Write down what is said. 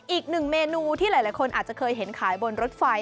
อีกหนึ่งเมนูที่หลายคนอาจจะเคยเห็นขายบนรถไฟ